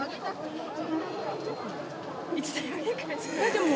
でも。